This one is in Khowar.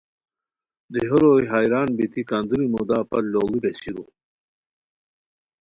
دیہو روئے حیران بیتی کندوری مودا پت لوڑی بہچیرو